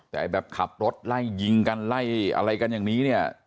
แต่แบบขับรถไล่ยิงกันไล่อะไรกันอย่างนี้เนี่ย